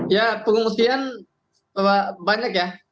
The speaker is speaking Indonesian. ya pengungsian banyak ya